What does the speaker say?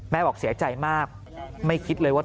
บอกเสียใจมากไม่คิดเลยว่า